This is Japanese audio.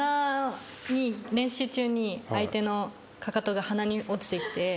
練習中に相手のかかとが鼻に落ちてきて。